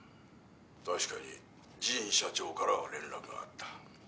「確かに神社長からは連絡があった」